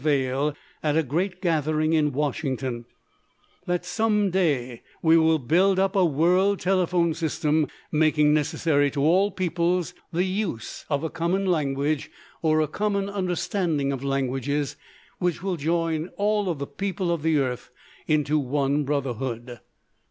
Vail at a great gathering in Washington, that some day we will build up a world telephone system, making necessary to all peoples the use of a common language or a common understanding of languages which will join all of the people of the earth into one brotherhood.